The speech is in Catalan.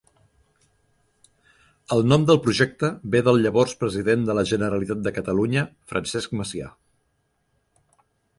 El nom del projecte ve del llavors president de la Generalitat de Catalunya, Francesc Macià.